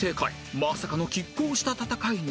まさかの拮抗した戦いに！